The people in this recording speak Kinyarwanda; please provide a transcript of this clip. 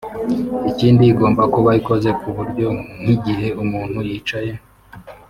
Ikindi igomba kuba ikoze ku buryo nk’igihe umuntu yicaye